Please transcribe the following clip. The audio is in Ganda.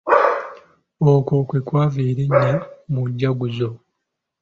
Okwo kwe kwava erinnya Mujaguzo.